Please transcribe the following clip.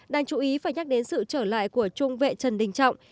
đang chú ý phải nhắc đến sự trở lại của trung vệ trần đình trọng